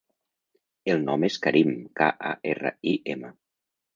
El nom és Karim: ca, a, erra, i, ema.